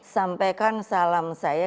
dan berikan salam saya